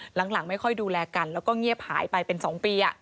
หลังไม่ค่อยดูแลกันแล้วก็เงียบหายไปเป็น๒ปี